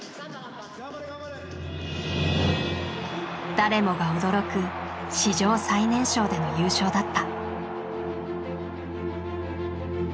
誰もが驚く史上最年少での優勝だった。